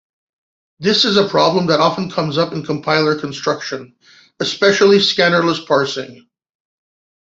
This is a problem that often comes up in compiler construction, especially scannerless parsing.